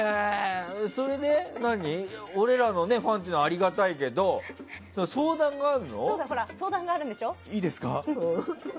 それで俺らのファンというのはありがたいけどいいですか？